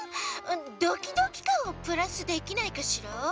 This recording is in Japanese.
ドキドキかんをプラスできないかしら？